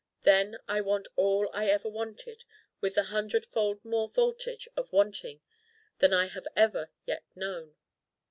Then I want all I ever wanted with a hundredfold more voltage of wanting than I have ever yet known.